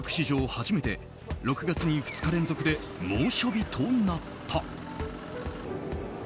初めて６月に２日連続で猛暑日となった。